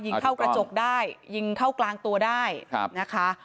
เข้ากระจกได้ยิงเข้ากลางตัวได้นะคะ